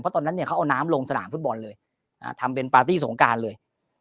ตอนนั้นเนี่ยเขาเอาน้ำลงสนามฟุตบอลเลยทำเป็นปาร์ตี้สงการเลย